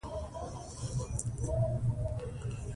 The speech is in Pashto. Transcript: باران د افغانستان د ځمکې د جوړښت نښه ده.